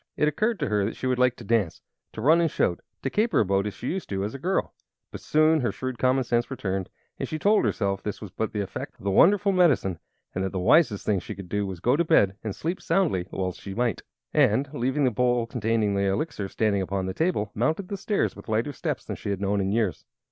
It occurred to her that she would like to dance; to run and shout, to caper about as she used to do as a girl. But soon her shrewd common sense returned, and she told herself this was but the effect of the wonderful medicine, and that the wisest thing she could do was to go to bed and sleep soundly while she might. Being still somewhat bewildered, the good woman picked up the lamp, and, leaving the bowl containing the Elixir standing upon the table, mounted the stairs with lighter steps than she had known in years.